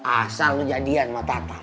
asal lo jadian sama tata